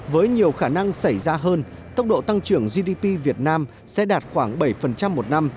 với nhiều khả năng xảy ra hơn tốc độ tăng trưởng gdp việt nam sẽ đạt khoảng bảy một năm